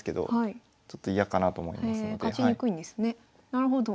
なるほど。